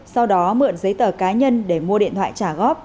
sau đó mượn giấy tờ cá nhân để mua điện thoại trả góp